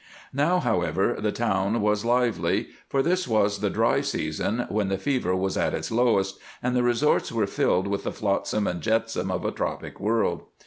Now, however, the town was lively, for this was the dry season, when the fever was at its lowest, and the resorts were filled with the flotsam and jetsam of a tropic world.